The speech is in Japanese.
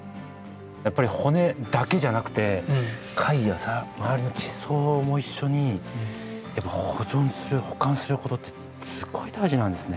やっぱり骨だけじゃなくて貝や周りの地層も一緒に保存する保管することってすごい大事なんですね。